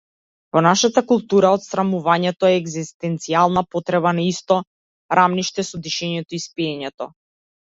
Во нашата култура, отсрамувањето е егзистенцијална потреба на исто рамниште со дишењето и спиењето.